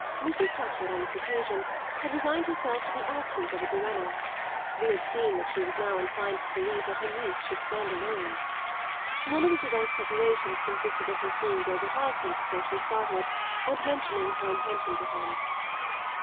Mrs. Touchett, on this occasion, had resigned herself to the absence of a duenna; we have seen that she now inclined to the belief that her niece should stand alone. One of Isabel's preparations consisted of her seeing Gilbert Osmond before she started and mentioning her intention to him.